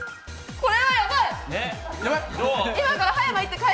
これはやばい！